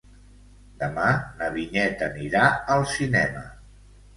Demà na Vinyet anirà al cinema.